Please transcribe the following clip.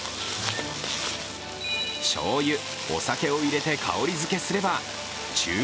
しょうゆ、お酒を入れて香りづけすればちゅう